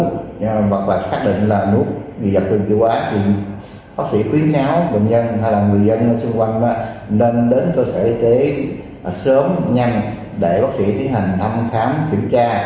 các bác sĩ khuyến kháo bệnh nhân hoặc người dân xung quanh nên đến cơ sở y tế sớm nhanh để bác sĩ tiến hành thăm khám kiểm tra